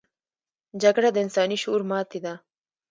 جګړه د انساني شعور ماتې ده